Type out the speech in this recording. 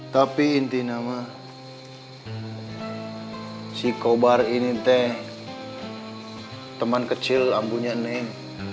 tapi inti nama si kobar ini teh teman kecil ambunya neng